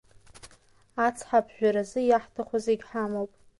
Ацҳа аԥжәаразы иаҳҭаху зегьы ҳамоуп.